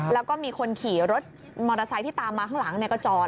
แล้วก็มีคนขี่รถมอเตอร์ไซค์ที่ตามมาข้างหลังก็จอด